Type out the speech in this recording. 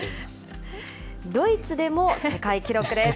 ドイツでも世界記録です。